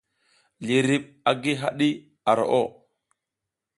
Liriɓ a gi haɗi ar roʼo.